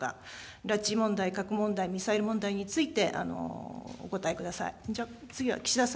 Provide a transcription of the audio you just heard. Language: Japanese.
拉致問題、核問題、ミサイル問題について、お答えください。